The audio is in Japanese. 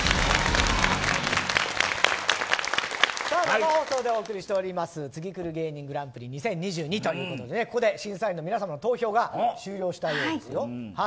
生放送でお送りしているツギクル芸人グランプリ２０２２ということでここで審査員の皆さまの投票が終了したようです。